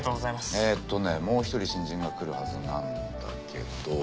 えっとねもう１人新人が来るはずなんだけど。